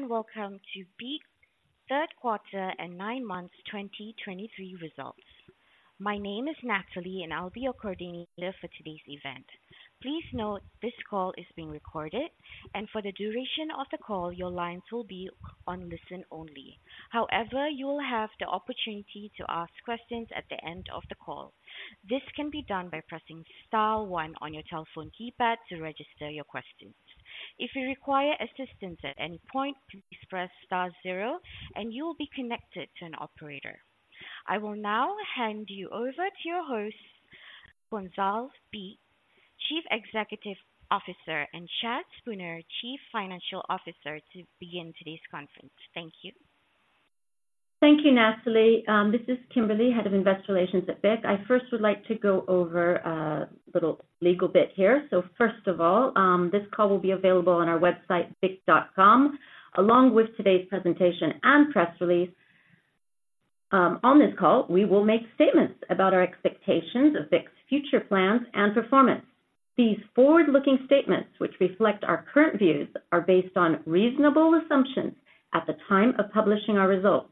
Hello, and welcome to BIC Q3 and Nine Months 2023 Results. My name is Natalie, and I'll be your coordinator for today's event. Please note, this call is being recorded, and for the duration of the call, your lines will be on listen only. However, you will have the opportunity to ask questions at the end of the call. This can be done by pressing star one on your telephone keypad to register your questions. If you require assistance at any point, please press star zero and you will be connected to an operator. I will now hand you over to your host, Gonzalve Bich, Chief Executive Officer, and Chad Spooner, Chief Financial Officer, to begin today's conference. Thank you. Thank you, Natalie. This is Kimberly, Head of Investor Relations at BIC. I first would like to go over a little legal bit here. So first of all, this call will be available on our website, bic.com, along with today's presentation and press release. On this call, we will make statements about our expectations of BIC's future plans and performance. These forward-looking statements, which reflect our current views, are based on reasonable assumptions at the time of publishing our results.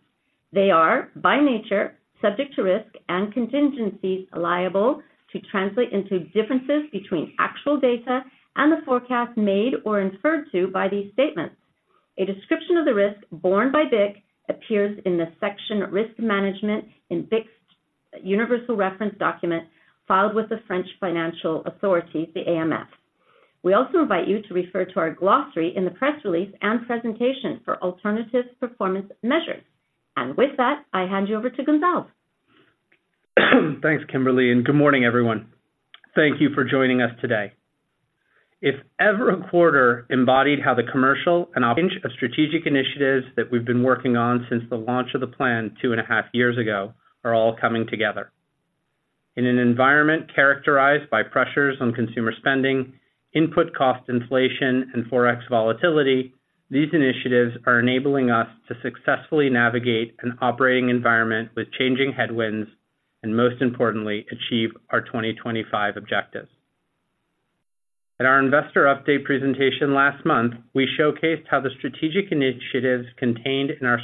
They are, by nature, subject to risk and contingencies liable to translate into differences between actual data and the forecast made or inferred to by these statements. A description of the risk borne by BIC appears in the section Risk Management in BIC's Universal Reference Document filed with the French Financial Authority, the AMF. We also invite you to refer to our glossary in the press release and presentation for alternative performance measures. With that, I hand you over to Gonzalve. Thanks, Kimberly, and good morning, everyone. Thank you for joining us today. If ever a quarter embodied how the commercial and range of strategic initiatives that we've been working on since the launch of the plan two and half years ago, are all coming together. In an environment characterized by pressures on consumer spending, input cost inflation, and Forex volatility, these initiatives are enabling us to successfully navigate an operating environment with changing headwinds and, most importantly, achieve our 2025 objectives. At our investor update presentation last month, we showcased how the strategic initiatives contained in our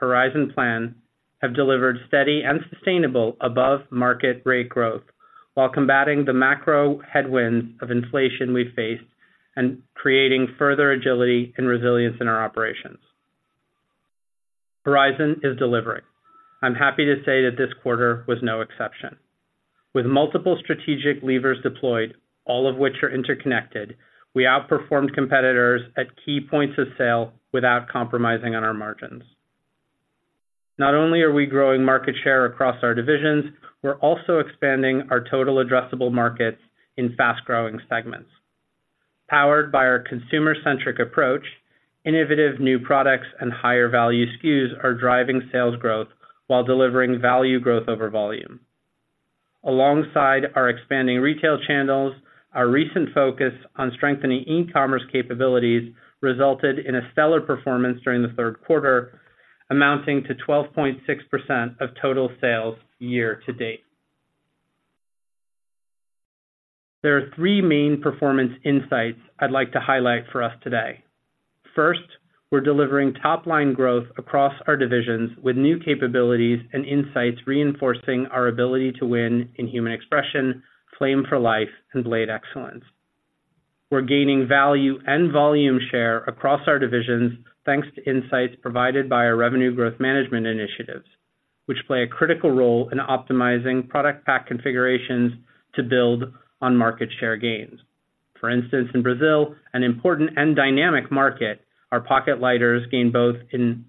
Horizon Plan have delivered steady and sustainable above-market rate growth, while combating the macro headwinds of inflation we faced and creating further agility and resilience in our operations. Horizon is delivering. I'm happy to say that this quarter was no exception. With multiple strategic levers deployed, all of which are interconnected, we outperformed competitors at key points of sale without compromising on our margins. Not only are we growing market share across our divisions, we're also expanding our total addressable markets in fast-growing segments. Powered by our consumer-centric approach, innovative new products and higher value SKUs are driving sales growth while delivering value growth over volume. Alongside our expanding retail channels, our recent focus on strengthening e-commerce capabilities resulted in a stellar performance during the Q3, amounting to 12.6% of total sales year to date. There are three main performance insights I'd like to highlight for us today. First, we're delivering top-line growth across our divisions with new capabilities and insights, reinforcing our ability to win in Human Expression, Flame for Life, and Blade Excellence. We're gaining value and volume share across our divisions, thanks to insights provided by our revenue growth management initiatives, which play a critical role in optimizing product pack configurations to build on market share gains. For instance, in Brazil, an important and dynamic market, our pocket lighters gain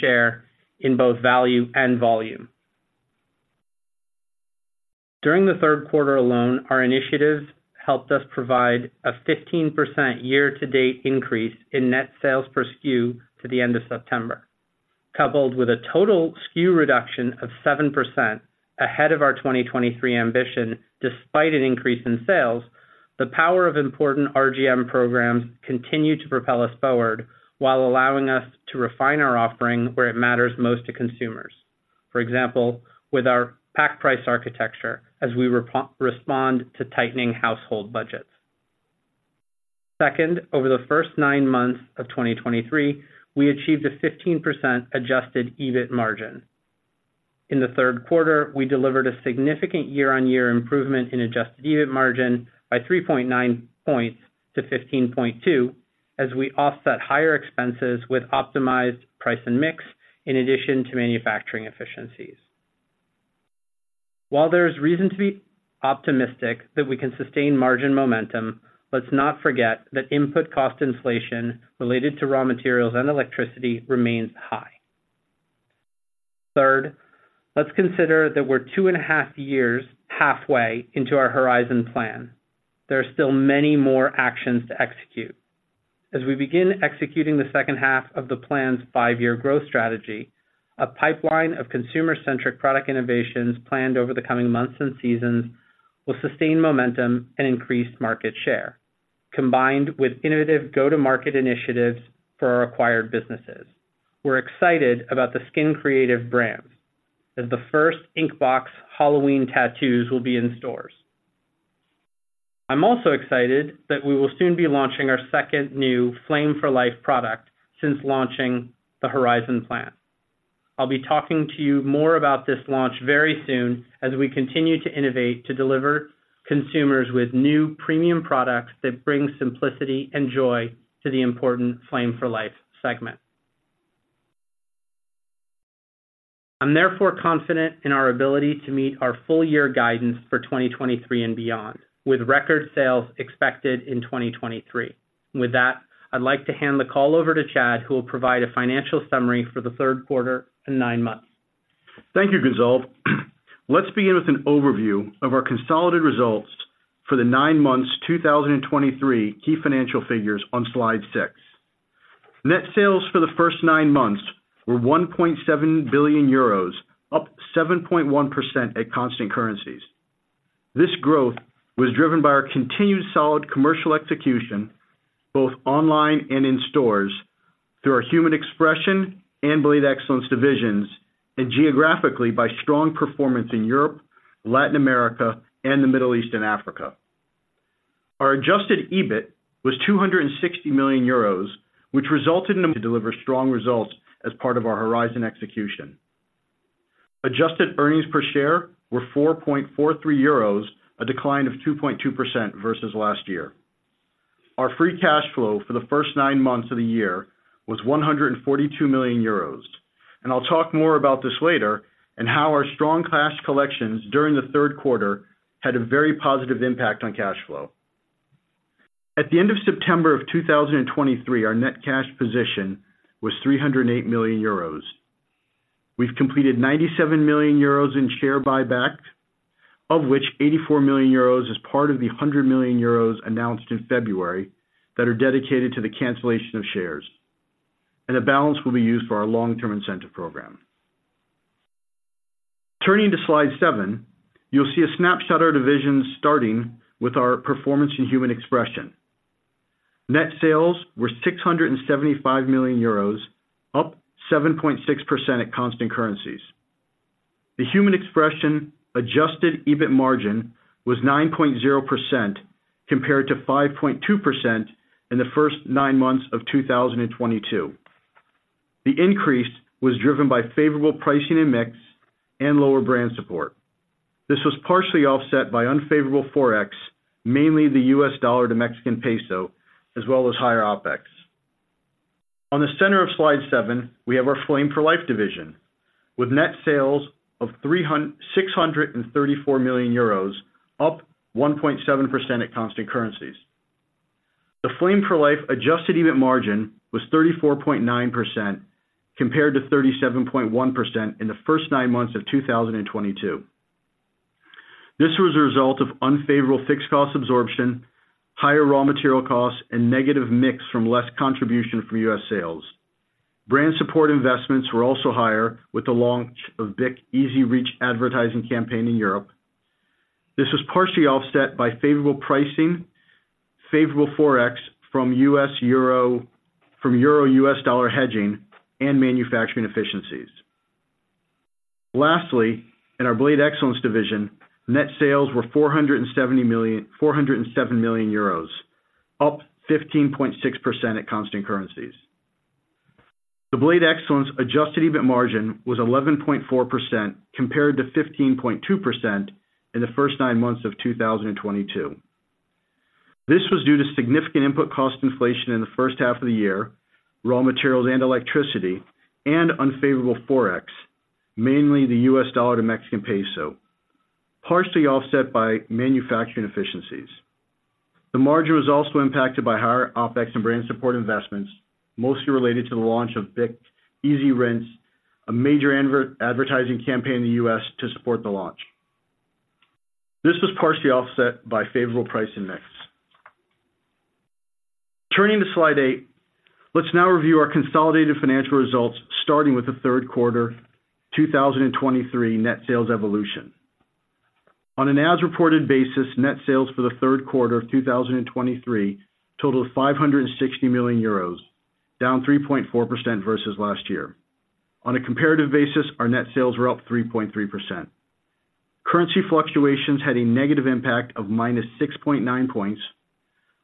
share in both value and volume. During the Q3 alone, our initiatives helped us provide a 15% year-to-date increase in net sales per SKU to the end of September, coupled with a total SKU reduction of 7% ahead of our 2023 ambition, despite an increase in sales. The power of important RGM programs continued to propel us forward while allowing us to refine our offering where it matters most to consumers. For example, with our pack price architecture as we respond to tightening household budgets. Second, over the first nine months of 2023, we achieved a 15% Adjusted EBIT margin. In the Q3, we delivered a significant year-on-year improvement in Adjusted EBIT margin by 3.9 points to 15.2, as we offset higher expenses with optimized price and mix, in addition to manufacturing efficiencies. While there is reason to be optimistic that we can sustain margin momentum, let's not forget that input cost inflation related to raw materials and electricity remains high. Third, let's consider that we're two and a half years halfway into our Horizon Plan. There are still many more actions to execute. As we begin executing the H2 of the plan's five-year growth strategy, a pipeline of consumer-centric product innovations planned over the coming months and seasons will sustain momentum and increase market share, combined with innovative go-to-market initiatives for our acquired businesses. We're excited about the Skin Creative brands, as the first Inkbox Halloween tattoos will be in stores. I'm also excited that we will soon be launching our second new Flame for Life product since launching the Horizon Plan. I'll be talking to you more about this launch very soon, as we continue to innovate, to deliver consumers with new premium products that bring simplicity and joy to the important Flame for Life segment. I'm therefore confident in our ability to meet our full-year guidance for 2023 and beyond, with record sales expected in 2023. With that, I'd like to hand the call over to Chad, who will provide a financial summary for the Q3 and nine months. Thank you, Gonzalve. Let's begin with an overview of our consolidated results for the nine months, 2023, key financial figures on Slide six. Net sales for the first nine months were 1.7 billion euros, up 7.1% at constant currencies. This growth was driven by our continued solid commercial execution, both online and in stores, through our Human Expression and Blade Excellence divisions, and geographically by strong performance in Europe, Latin America, and the Middle East and Africa. Our Adjusted EBIT was 260 million euros, which resulted in to deliver strong results as part of our Horizon execution. Adjusted earnings per share were 4.43 euros, a decline of 2.2% versus last year. Our free cash flow for the first 9 months of the year was 142 million euros. I'll talk more about this later, and how our strong cash collections during the Q3 had a very positive impact on cash flow. At the end of September of 2023, our net cash position was 308 million euros. We've completed 97 million euros in share buyback, of which 84 million euros is part of the 100 million euros announced in February, that are dedicated to the cancellation of shares. The balance will be used for our long-term incentive program. Turning to Slide seven, you'll see a snapshot of our divisions, starting with our performance in Human Expression. Net sales were 675 million euros, up 7.6% at constant currencies. The Human Expression Adjusted EBIT margin was 9.0%, compared to 5.2% in the first nine months of 2022. The increase was driven by favorable pricing and mix, and lower brand support. This was partially offset by unfavorable Forex, mainly the US dollar to Mexican peso, as well as higher OpEx. On the center of Slide seven, we have our Flame for Life division, with net sales of 634 million euros, up 1.7% at constant currencies. The Flame for Life Adjusted EBIT margin was 34.9%, compared to 37.1% in the first nine months of 2022. This was a result of unfavorable fixed cost absorption, higher raw material costs, and negative mix from less contribution from US sales. Brand support investments were also higher, with the launch of BIC Easy Reach advertising campaign in Europe. This was partially offset by favorable pricing, favorable Forex from Euro-US dollar hedging and manufacturing efficiencies. Lastly, in our Blade Excellence division, net sales were 407 million euros, up 15.6% at constant currencies. The Blade Excellence Adjusted EBIT margin was 11.4%, compared to 15.2% in the first nine months of 2022. This was due to significant input cost inflation in the H1 of the year, raw materials and electricity, and unfavorable Forex, mainly the US dollar to Mexican peso, partially offset by manufacturing efficiencies. The margin was also impacted by higher OpEx and brand support investments, mostly related to the launch of BIC Easy Rinse, a major advertising campaign in the U.S. to support the launch. This was partially offset by favorable price and mix. Turning to Slide eight, let's now review our consolidated financial results, starting with the Q3 2023 net sales evolution. On an as-reported basis, net sales for the Q3 of 2023 totaled 560 million euros, down 3.4% versus last year. On a comparative basis, our net sales were up 3.3%. Currency fluctuations had a negative impact of -6.9 points,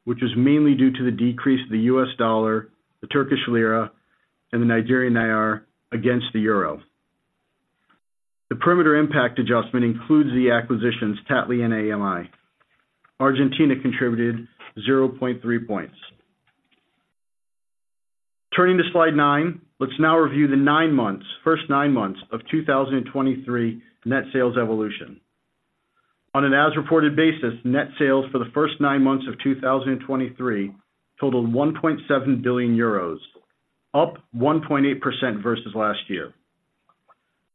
which was mainly due to the decrease of the US dollar, the Turkish lira, and the Nigerian naira against the euro. The perimeter impact adjustment includes the acquisitions, Tattly and AMI. Argentina contributed 0.3 points. Turning to Slide nine, let's now review the first nine months of 2023 net sales evolution. On an as-reported basis, net sales for the first nine months of 2023 totaled 1.7 billion euros, up 1.8% versus last year.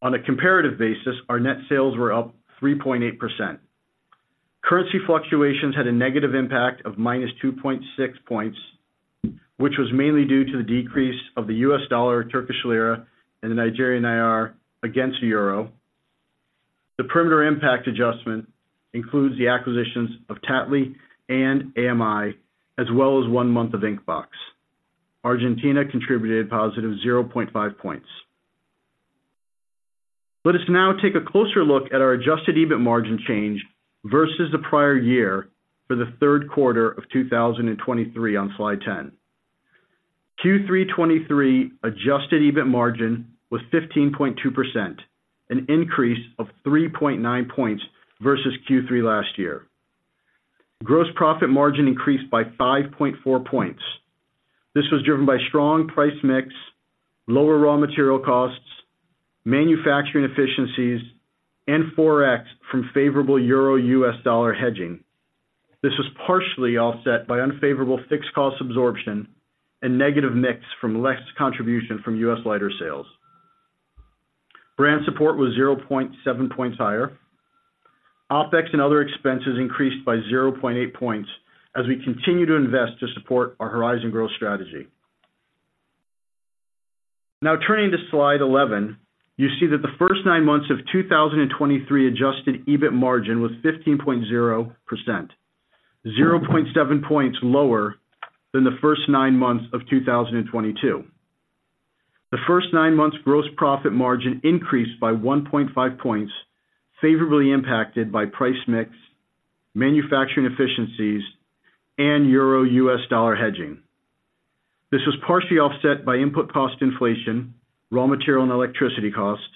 On a comparative basis, our net sales were up 3.8%. Currency fluctuations had a negative impact of -2.6 points, which was mainly due to the decrease of the US dollar, Turkish lira, and the Nigerian naira against the euro. The perimeter impact adjustment includes the acquisitions of Tattly and AMI, as well as one month of Inkbox. Argentina contributed positive 0.5 points. Let us now take a closer look at our Adjusted EBIT margin change versus the prior year for the Q3 of 2023 on slide 10. Q3 '23 Adjusted EBIT margin was 15.2%, an increase of 3.9 points versus Q3 last year. Gross Profit Margin increased by 5.4 points. This was driven by strong price mix, lower raw material costs, manufacturing efficiencies, and Forex from favorable euro-U.S. dollar hedging. This was partially offset by unfavorable fixed cost absorption and negative mix from less contribution from U.S. lighter sales. Brand support was 0.7 points higher. OpEx and other expenses increased by 0.8 points, as we continue to invest to support our Horizon growth strategy. Now, turning to slide 11, you see that the first nine months of 2023 Adjusted EBIT margin was 15.0%, 0.7 points lower than the first nine months of 2022. The first nine months gross profit margin increased by 1.5 points, favorably impacted by price mix, manufacturing efficiencies, and euro-U.S. dollar hedging. This was partially offset by input cost inflation, raw material and electricity costs,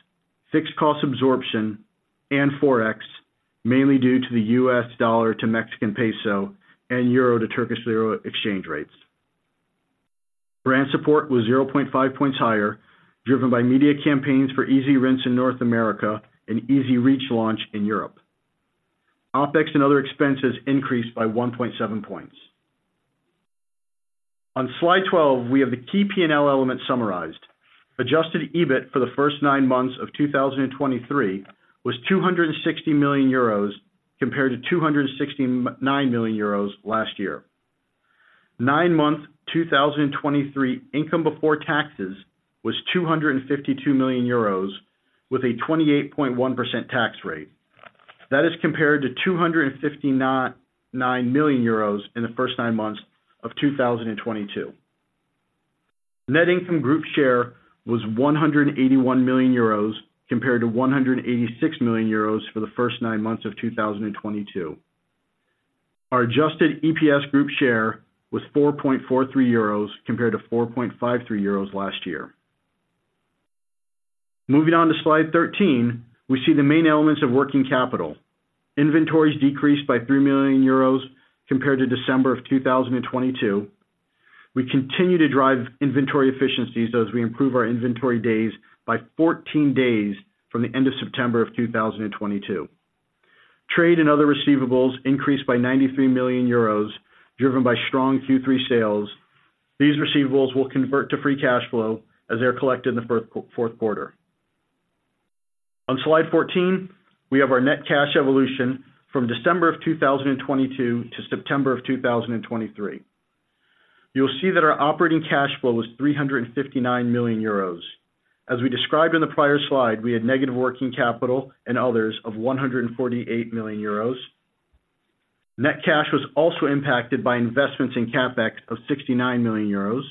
fixed cost absorption, and Forex, mainly due to the US dollar to Mexican peso and euro to Turkish lira exchange rates. Brand support was 0.5 points higher, driven by media campaigns for Easy Rinse in North America and Easy Reach launch in Europe. OpEx and other expenses increased by 1.7 points. On slide 12, we have the key P&L elements summarized. Adjusted EBIT for the first nine months of 2023 was 260 million euros, compared to 269 million euros last year. Nine-month 2023 income before taxes was 252 million euros, with a 28.1% tax rate. That is compared to 259 million euros in the first nine months of 2022. Net income group share was 181 million euros, compared to 186 million euros for the first nine months of 2022. Our adjusted EPS group share was 4.43 euros, compared to 4.53 euros last year. Moving on to slide 13, we see the main elements of working capital. Inventories decreased by 3 million euros compared to December of 2022. We continue to drive inventory efficiencies as we improve our inventory days by 14 days from the end of September of 2022. Trade and other receivables increased by 93 million euros, driven by strong Q3 sales. These receivables will convert to free cash flow as they are collected in the Q4. On slide 14, we have our net cash evolution from December 2022 to September 2023. You'll see that our operating cash flow was 359 million euros. As we described in the prior slide, we had negative working capital and others of 148 million euros. Net cash was also impacted by investments in CapEx of 69 million euros.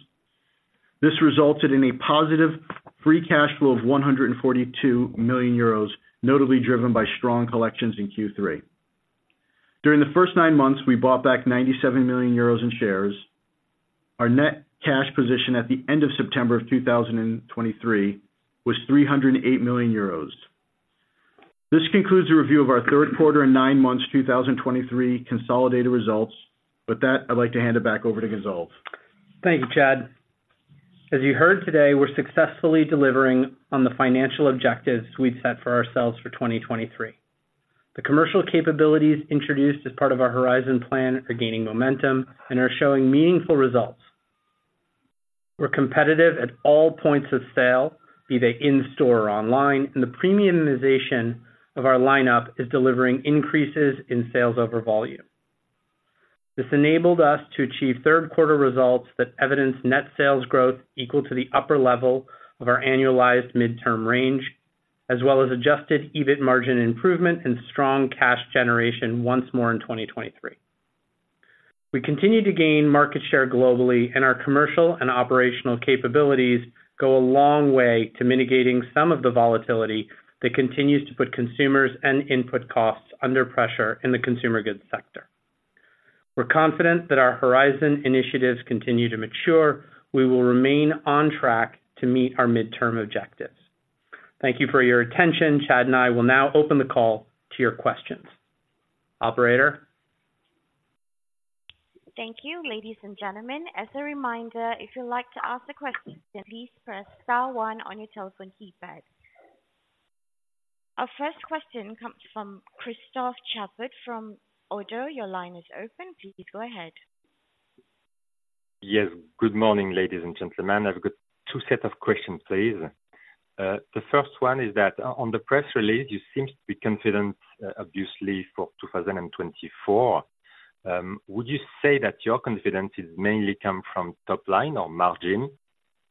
This resulted in a positive free cash flow of 142 million euros, notably driven by strong collections in Q3. During the first nine months, we bought back 97 million euros in shares. Our net cash position at the end of September 2023 was 308 million euros. This concludes the review of our Q3 and nine months 2023 consolidated results. With that, I'd like to hand it back over to Gonzalve. Thank you, Chad. As you heard today, we're successfully delivering on the financial objectives we've set for ourselves for 2023. The commercial capabilities introduced as part of our Horizon Plan are gaining momentum and are showing meaningful results. We're competitive at all points of sale, be they in store or online, and the premiumization of our lineup is delivering increases in sales over volume. This enabled us to achieve Q3 results that evidenced net sales growth equal to the upper level of our annualized midterm range, as well as Adjusted EBIT margin improvement and strong cash generation once more in 2023. We continue to gain market share globally, and our commercial and operational capabilities go a long way to mitigating some of the volatility that continues to put consumers and input costs under pressure in the consumer goods sector. We're confident that our Horizon initiatives continue to mature. We will remain on track to meet our midterm objectives. Thank you for your attention. Chad and I will now open the call to your questions. Operator? Thank you, ladies and gentlemen. As a reminder, if you'd like to ask a question, please press star one on your telephone keypad. Our first question comes from Christophe Chaput from ODDO. Your line is open. Please go ahead. Yes. Good morning, ladies and gentlemen. I've got two set of questions, please. The first one is that on the press release, you seem to be confident, obviously, for 2024. Would you say that your confidence is mainly come from top line or margin?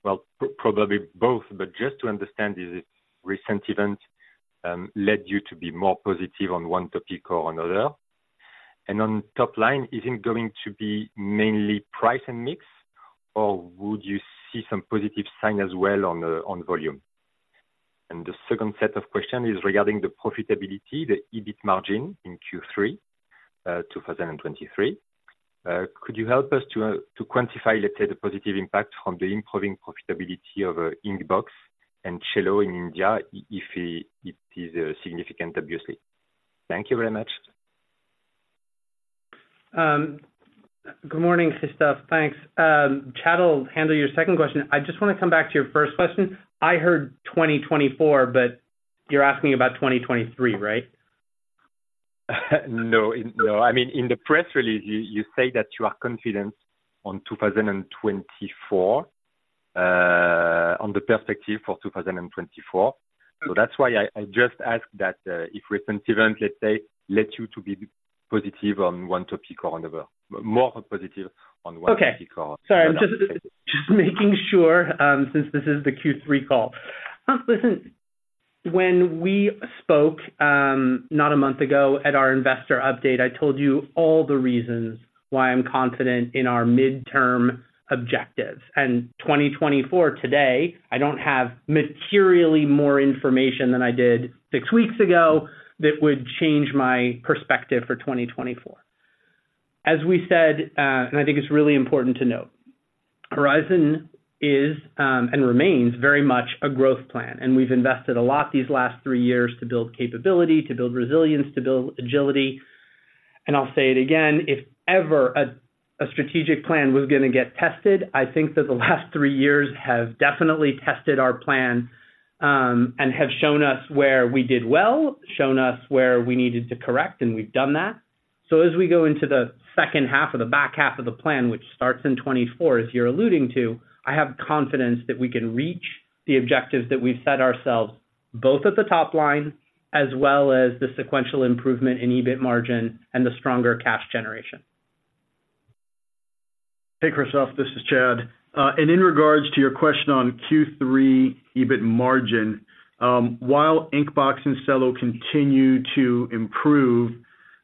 Well, probably both, but just to understand, is it recent events led you to be more positive on one topic or another? And on top line, is it going to be mainly price and mix, or would you see some positive sign as well on volume? And the second set of question is regarding the profitability, the EBIT margin in Q3, 2023. Could you help us to quantify, let's say, the positive impact from the improving profitability over Inkbox and Cello in India, if it is significant, obviously? Thank you very much. Good morning, Christophe. Thanks. Chad will handle your second question. I just wanna come back to your first question. I heard 2024, but you're asking about 2023, right? No, no. I mean, in the press release, you say that you are confident on 2024, on the perspective for 2024. So that's why I just ask that if recent event, let's say, led you to be positive on one topic or another, more positive on one topic or- Okay. Sorry, just making sure, since this is the Q3 call. Listen, when we spoke, not a month ago at our investor update, I told you all the reasons why I'm confident in our midterm objectives. And 2024, today, I don't have materially more information than I did six weeks ago that would change my perspective for 2024. As we said, and I think it's really important to note, Horizon is, and remains very much a growth plan, and we've invested a lot these last 3 years to build capability, to build resilience, to build agility. And I'll say it again, if ever a strategic plan was gonna get tested, I think that the last three years have definitely tested our plan, and have shown us where we did well, shown us where we needed to correct, and we've done that. So as we go into the second half or the back half of the plan, which starts in 2024, as you're alluding to, I have confidence that we can reach the objectives that we've set ourselves, both at the top line, as well as the sequential improvement in EBIT margin and the stronger cash generation. Hey, Christophe, this is Chad. And in regards to your question on Q3 EBIT margin, while Inkbox and Cello continue to improve,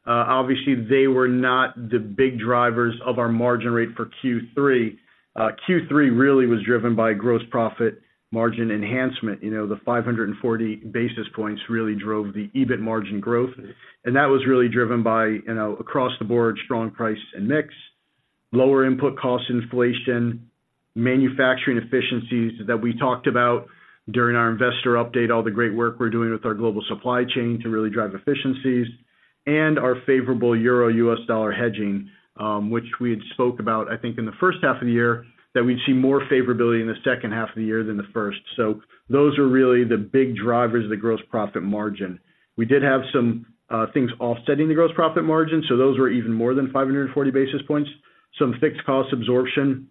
obviously, they were not the big drivers of our margin rate for Q3. Q3 really was driven by gross profit margin enhancement. You know, the 540 basis points really drove the EBIT margin growth, and that was really driven by, you know, across the board, strong price and mix, lower input cost inflation, manufacturing efficiencies that we talked about during our investor update, all the great work we're doing with our global supply chain to really drive efficiencies, and our favorable euro-US dollar hedging, which we had spoke about, I think, in the H1 of the year, that we'd see more favorability in the second half of the year than the first. So those are really the big drivers of the gross profit margin. We did have some things offsetting the gross profit margin, so those were even more than 540 basis points. Some fixed cost absorption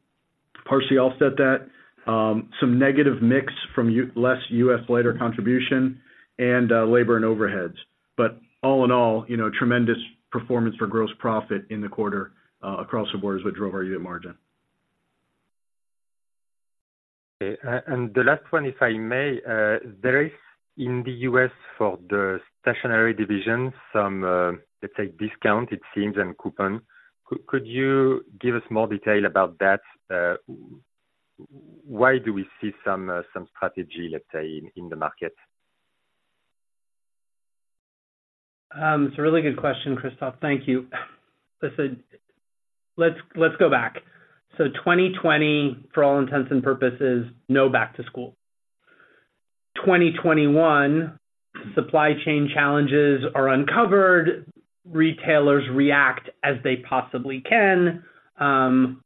partially offset that, some negative mix from less US lighter contribution and labor and overheads. But all in all, you know, tremendous performance for gross profit in the quarter, across the board is what drove our unit margin. Okay, the last one, if I may, there is in the U.S. for the stationery division, some, let's say, discount, it seems, and coupon. Could you give us more detail about that? Why do we see some strategy, let's say, in the market? It's a really good question, Christophe. Thank you. Listen, let's go back. So 2020, for all intents and purposes, no back to school. 2021, supply chain challenges are uncovered, retailers react as they possibly can.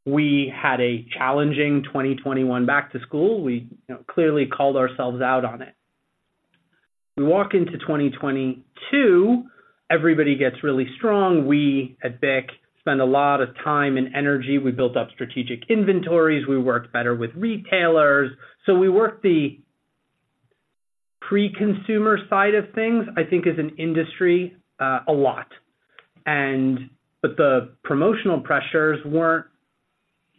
We had a challenging 2021 back to school. We, you know, clearly called ourselves out on it. We walk into 2022, everybody gets really strong. We, at BIC, spend a lot of time and energy. We built up strategic inventories, we worked better with retailers. So we worked the pre-consumer side of things, I think, as an industry, a lot. But the promotional pressures weren't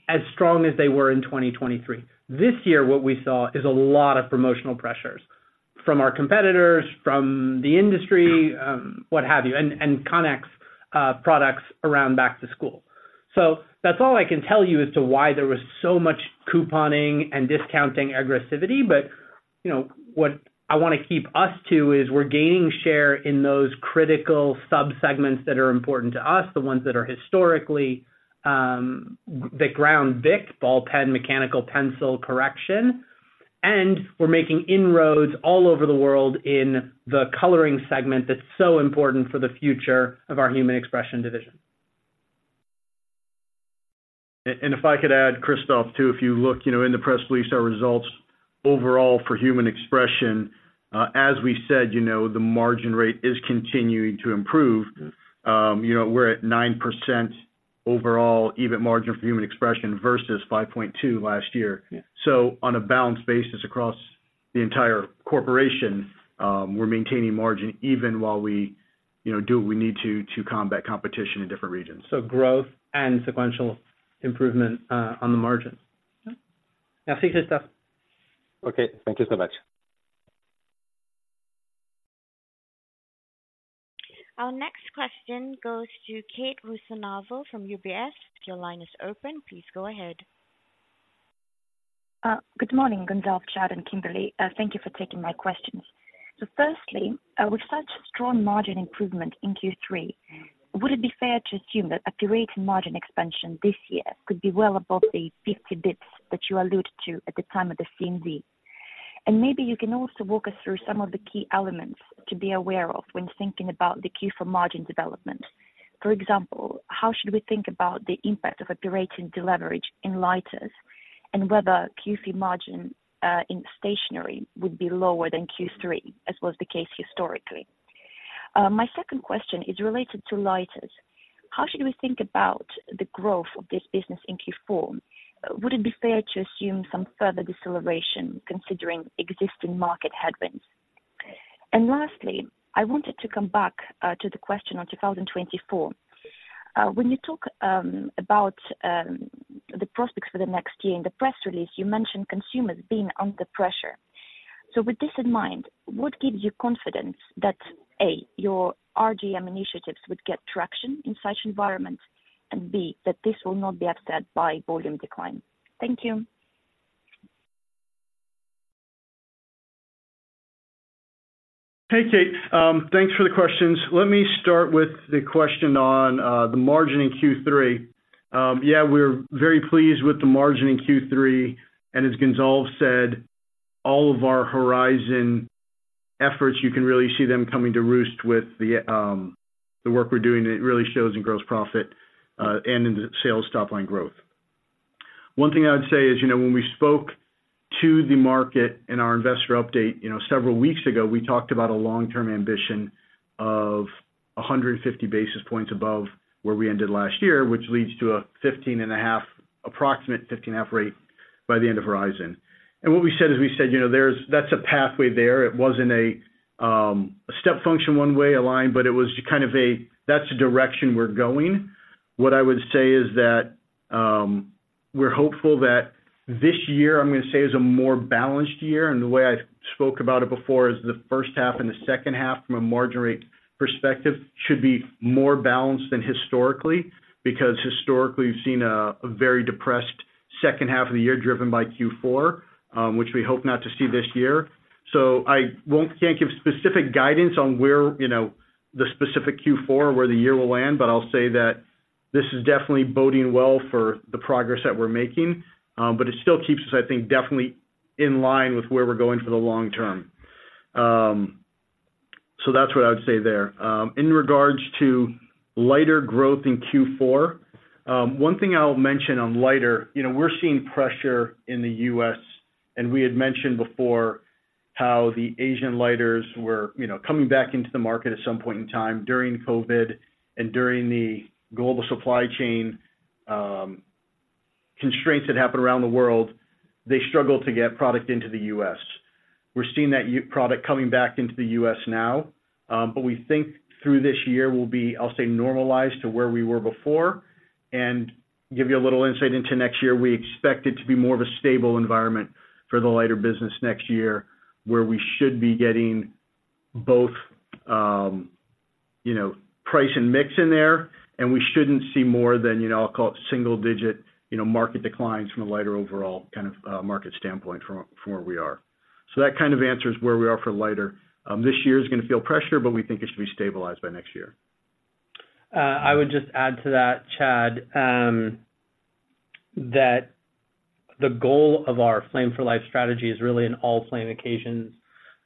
as strong as they were in 2023. This year, what we saw is a lot of promotional pressures from our competitors, from the industry, what have you, and Connex products around back to school. So that's all I can tell you as to why there was so much couponing and discounting aggressivity. But, you know, what I wanna keep us to is we're gaining share in those critical sub-segments that are important to us, the ones that are historically the ground BIC, ball pen, mechanical pencil, correction. And we're making inroads all over the world in the coloring segment that's so important for the future of our Human Expression division. If I could add, Christophe, too, if you look, you know, in the press release, our results overall for Human Expression, as we said, you know, the margin rate is continuing to improve. You know, we're at 9% overall EBIT margin for Human Expression versus 5.2% last year. Yeah. On a balanced basis across the entire corporation, we're maintaining margin even while we, you know, do what we need to, to combat competition in different regions. Growth and sequential improvement on the margin. Okay. Thank you so much. Our next question goes to Kate Rusanova from UBS. Your line is open. Please go ahead. Good morning, Gonzalve, Chad, and Kimberly. Thank you for taking my questions. So firstly, with such strong margin improvement in Q3, would it be fair to assume that operating margin expansion this year could be well above the 50 basis points that you alluded to at the time of the CMZ? And maybe you can also walk us through some of the key elements to be aware of when thinking about the Q4 margin development. For example, how should we think about the impact of operating deleverage in lighters, and whether Q4 margin in stationery would be lower than Q3, as was the case historically? My second question is related to lighters. How should we think about the growth of this business in Q4? Would it be fair to assume some further deceleration considering existing market headwinds? And lastly, I wanted to come back to the question on 2024. When you talk about the prospects for the next year, in the press release, you mentioned consumers being under pressure. So with this in mind, what gives you confidence that, A, your RGM initiatives would get traction in such environment, and B, that this will not be upset by volume decline? Thank you. Hey, Kate. Thanks for the questions. Let me start with the question on the margin in Q3. Yeah, we're very pleased with the margin in Q3, and as Gonzalve said, all of our Horizon efforts, you can really see them coming to roost with the work we're doing. It really shows in gross profit and in the sales top line growth. One thing I would say is, you know, when we spoke to the market in our investor update, you know, several weeks ago, we talked about a long-term ambition of 150 basis points above where we ended last year, which leads to a 15.5, approximate 15.5 rate by the end of Horizon. What we said is, we said, you know, there's, that's a pathway there. It wasn't a step function, one-way line, but it was kind of a, "That's the direction we're going." What I would say is that we're hopeful that this year, I'm gonna say, is a more balanced year, and the way I spoke about it before is the first half and the second half from a margin rate perspective should be more balanced than historically. Because historically, we've seen a very depressed second half of the year, driven by Q4, which we hope not to see this year. So I can't give specific guidance on where, you know, the specific Q4, where the year will land, but I'll say that this is definitely boding well for the progress that we're making. But it still keeps us, I think, definitely in line with where we're going for the long term. So that's what I would say there. In regards to lighter growth in Q4, one thing I'll mention on lighter, you know, we're seeing pressure in the US, and we had mentioned before how the Asian lighters were, you know, coming back into the market at some point in time during COVID and during the global supply chain constraints that happened around the world. They struggled to get product into the US. We're seeing that product coming back into the US now, but we think through this year, we'll be, I'll say, normalized to where we were before. Give you a little insight into next year, we expect it to be more of a stable environment for the lighter business next year, where we should be getting both, you know, price and mix in there, and we shouldn't see more than, you know, I'll call it, single-digit, you know, market declines from a lighter overall kind of market standpoint from where we are. That kind of answers where we are for lighter. This year is gonna feel pressure, but we think it should be stabilized by next year. I would just add to that, Chad, that the goal of our Flame for Life strategy is really an all flame occasions.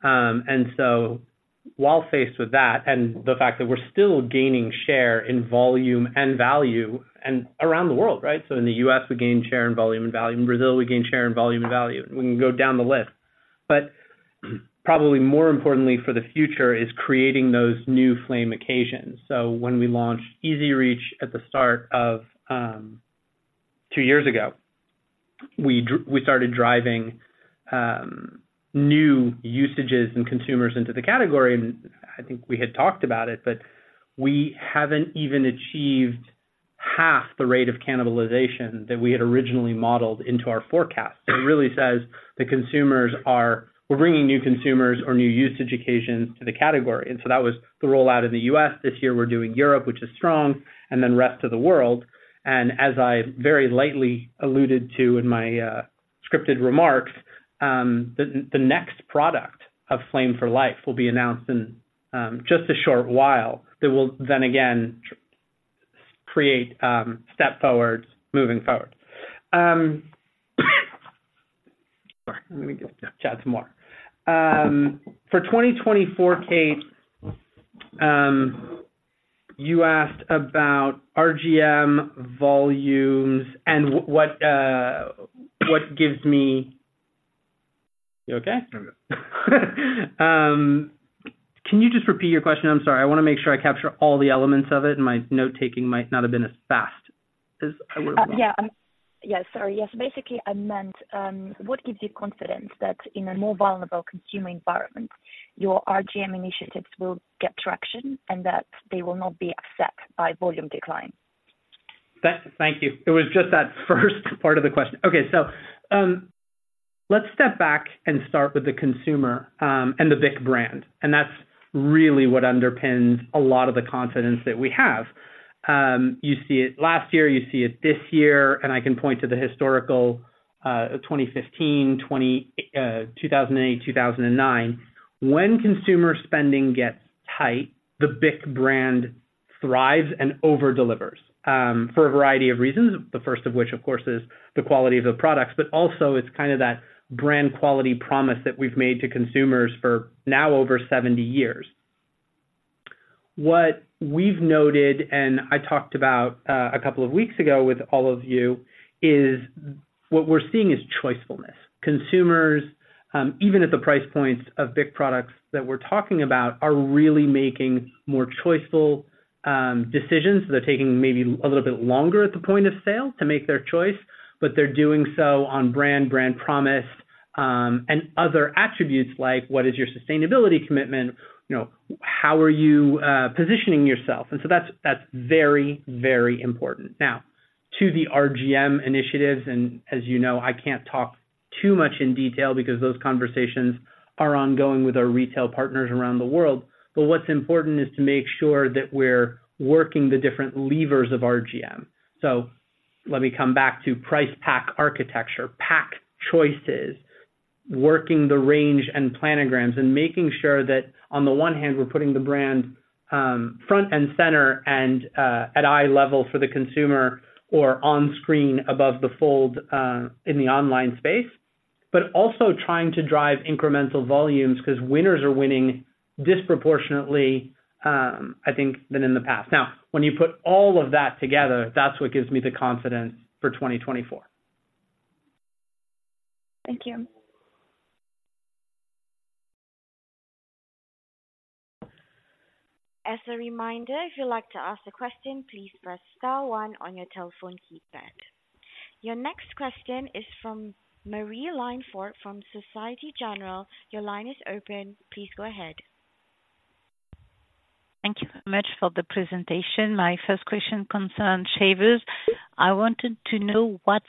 And so while faced with that and the fact that we're still gaining share in volume and value around the world, right? So in the U.S., we gain share in volume and value. In Brazil, we gain share in volume and value. We can go down the list. But probably more importantly for the future is creating those new flame occasions. So when we launched Easy Reach at the start of 2 years ago, we started driving new usages and consumers into the category, and I think we had talked about it, but we haven't even achieved half the rate of cannibalization that we had originally modeled into our forecast. It really says the consumers we're bringing new consumers or new usage occasions to the category, and so that was the rollout in the US. This year, we're doing Europe, which is strong, and then rest of the world. As I very lightly alluded to in my scripted remarks, the next product of Flame for Life will be announced in just a short while. That will then again create step forwards moving forward. Let me give Chad some more. For 2024, Kate, you asked about RGM volumes and what gives me... You okay? I'm good. Can you just repeat your question? I'm sorry. I wanna make sure I capture all the elements of it, and my note-taking might not have been as fast as I would want. Yes. Basically, I meant, what gives you confidence that in a more vulnerable consumer environment, your RGM initiatives will get traction and that they will not be upset by volume decline? Thank you. It was just that first part of the question. Okay, so, let's step back and start with the consumer, and the BIC brand, and that's really what underpins a lot of the confidence that we have. You see it last year, you see it this year, and I can point to the historical 2015, 2020, 2008, 2009. When consumer spending gets tight, the BIC brand thrives and over-delivers, for a variety of reasons. The first of which, of course, is the quality of the products, but also it's kind of that brand quality promise that we've made to consumers for now over 70 years. What we've noted, and I talked about, a couple of weeks ago with all of you, is what we're seeing is choicefulness. Consumers, even at the price points of BIC products that we're talking about, are really making more choiceful decisions. So they're taking maybe a little bit longer at the point of sale to make their choice, but they're doing so on brand, brand promise, and other attributes, like: What is your sustainability commitment? You know, how are you positioning yourself? And so that's, that's very, very important. Now, to the RGM initiatives, and as you know, I can't talk too much in detail because those conversations are ongoing with our retail partners around the world. But what's important is to make sure that we're working the different levers of RGM. So let me come back to price pack architecture, pack choices, working the range and planograms, and making sure that, on the one hand, we're putting the brand front and center and at eye level for the consumer or on screen above the fold in the online space. But also trying to drive incremental volumes, 'cause winners are winning disproportionately, I think, than in the past. Now, when you put all of that together, that's what gives me the confidence for 2024. Thank you. As a reminder, if you'd like to ask a question, please press star one on your telephone keypad. Your next question is from Marie-Line Fort, from Société Générale. Your line is open. Please go ahead. Thank you very much for the presentation. My first question concern shavers. I wanted to know what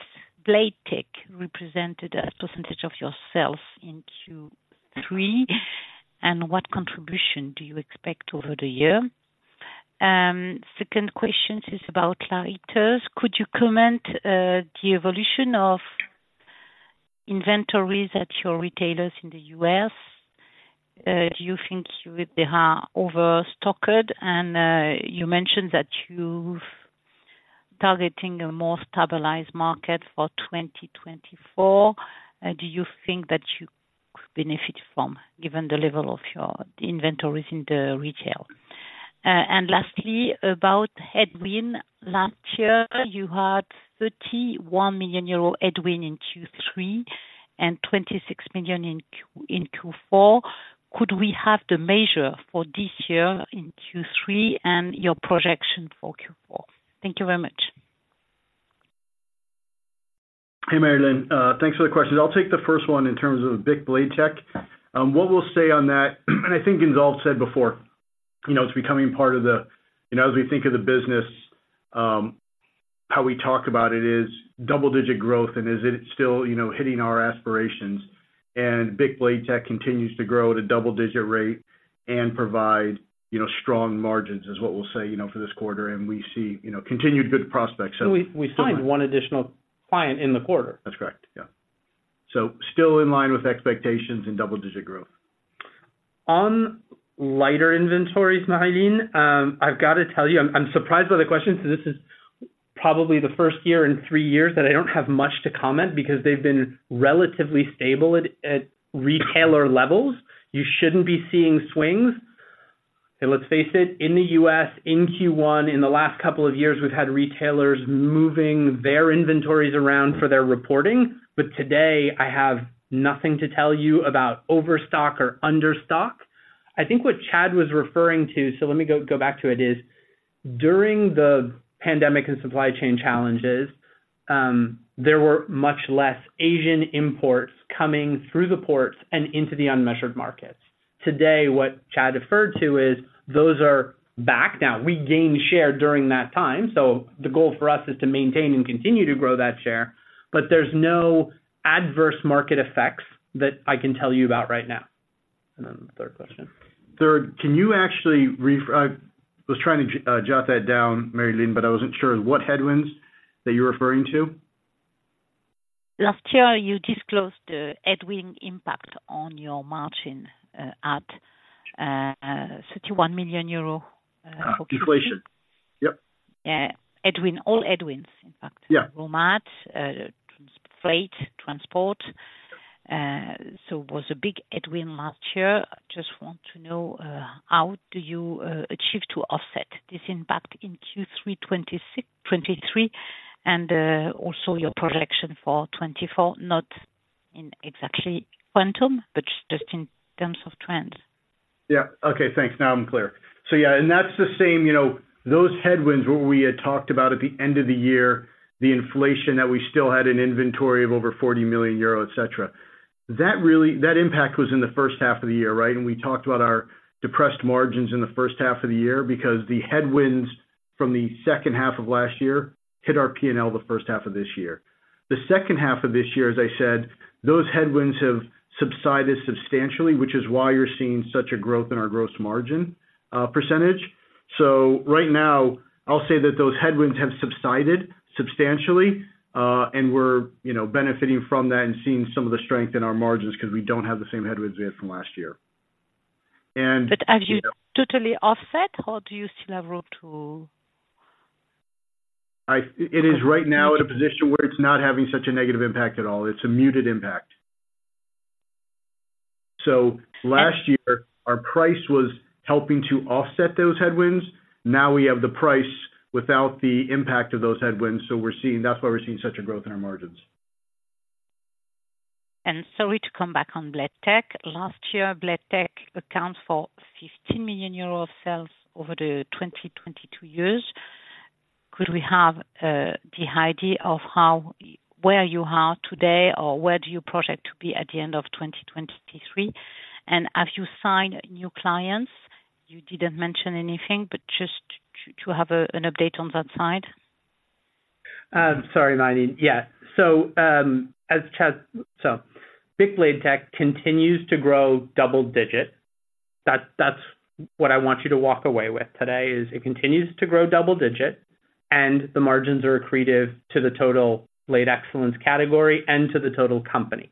Blade Tech represented as percentage of your sales in Q3, and what contribution do you expect over the year? Second question is about lighters. Could you comment, the evolution of inventories at your retailers in the US? Do you think that they are overstocked? And, you mentioned that you've targeting a more stabilized market for 2024. Do you think that you could benefit from, given the level of your inventories in the retail? And lastly, about headwind. Last year, you had 31 million euro headwind in Q3 and 26 million in Q4. Could we have the measure for this year in Q3 and your projection for Q4? Thank you very much. Hey, Marie-Line. Thanks for the questions. I'll take the first one in terms of the BIC Blade Tech. What we'll say on that, and I think Gonzalve said before, you know, it's becoming part of the... You know, as we think of the business, how we talk about it, is double-digit growth, and is it still, you know, hitting our aspirations? And BIC Blade Tech continues to grow at a double digit rate and provide, you know, strong margins, is what we'll say, you know, for this quarter. And we see, you know, continued good prospects, so- We signed one additional client in the quarter. That's correct. Yeah. Still in line with expectations in double-digit growth. On lighter inventories, Marie-Line, I've got to tell you, I'm surprised by the question. So this is probably the first year in three years that I don't have much to comment, because they've been relatively stable at retailer levels. You shouldn't be seeing swings. And let's face it, in the US, in Q1, in the last couple of years, we've had retailers moving their inventories around for their reporting. But today, I have nothing to tell you about overstock or understock. I think what Chad was referring to, so let me go back to it, is during the pandemic and supply chain challenges, there were much less Asian imports coming through the ports and into the unmeasured markets. Today, what Chad referred to is, those are back. Now, we gained share during that time, so the goal for us is to maintain and continue to grow that share, but there's no adverse market effects that I can tell you about right now. And then the third question. Third, can you actually rephrase? I was trying to jot that down, Marie-Line, but I wasn't sure what headwinds that you're referring to. Last year, you disclosed the headwind impact on your margin at 31 million euro for Q3. Inflation. Yep. Yeah. Headwind. All headwinds, in fact. Yeah. Raw materials, transport, freight, transport. So was a big headwind last year. I just want to know how do you achieve to offset this impact in Q3, 2023, and also your projection for 2024, not in exactly quantum, but just in terms of trends. Yeah. Okay, thanks. Now I'm clear. So yeah, and that's the same, you know, those headwinds, what we had talked about at the end of the year, the inflation, that we still had an inventory of over 40 million euro, et cetera. That really, that impact was in the H1 of the year, right? And we talked about our depressed margins in the first half of the year because the headwinds from the second half of last year hit our P&L the first half of this year. The second half of this year, as I said, those headwinds have subsided substantially, which is why you're seeing such a growth in our gross margin percentage. So right now, I'll say that those headwinds have subsided substantially, and we're, you know, benefiting from that and seeing some of the strength in our margins, 'cause we don't have the same headwinds we had from last year. And- But have you totally offset, or do you still have room to? It is right now at a position where it's not having such a negative impact at all. It's a muted impact. So last year, our price was helping to offset those headwinds. Now we have the price without the impact of those headwinds, so we're seeing, that's why we're seeing such a growth in our margins. Sorry to come back on Blade Tech. Last year, Blade Tech accounts for 50 million euros sales over the 2022 years. Could we have the idea of how, where you are today or where do you project to be at the end of 2023? And have you signed new clients? You didn't mention anything, but just to have an update on that side. Sorry, Marie. Yeah. So, as Chad. So, BIC Blade Tech continues to grow double-digit. That's, that's what I want you to walk away with today, is it continues to grow double-digit, and the margins are accretive to the total Blade Excellence category and to the total company.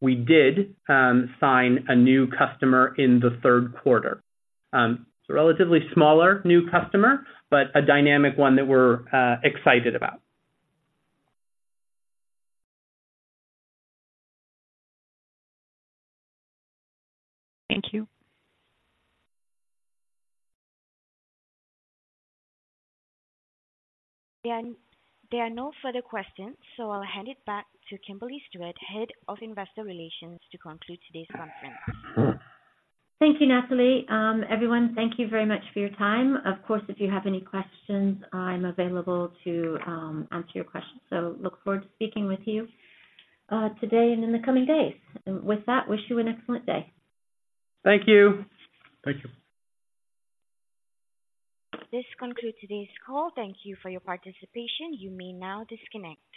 We did sign a new customer in the Q3. It's a relatively smaller new customer, but a dynamic one that we're excited about. Thank you. There are no further questions, so I'll hand it back to Kimberly Stewart, Head of Investor Relations, to conclude today's conference. Thank you, Natalie. Everyone, thank you very much for your time. Of course, if you have any questions, I'm available to answer your questions. So look forward to speaking with you today and in the coming days. And with that, wish you an excellent day. Thank you. Thank you. This concludes today's call. Thank you for your participation. You may now disconnect.